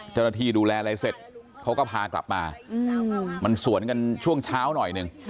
ดูแลอะไรเสร็จเขาก็พากลับมามันสวนกันช่วงเช้าหน่อยหนึ่ง